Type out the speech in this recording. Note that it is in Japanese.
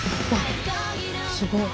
すごい。